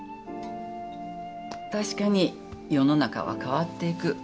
確かに世の中は変わっていく。